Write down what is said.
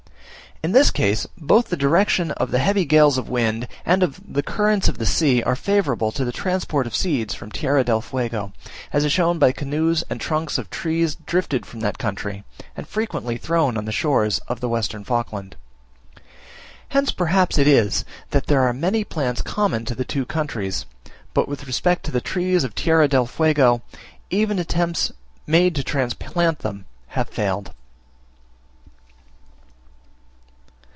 In this case, both the direction of the heavy gales of wind and of the currents of the sea are favourable to the transport of seeds from Tierra del Fuego, as is shown by the canoes and trunks of trees drifted from that country, and frequently thrown on the shores of the Western Falkland. Hence perhaps it is, that there are many plants in common to the two countries but with respect to the trees of Tierra del Fuego, even attempts made to transplant them have failed.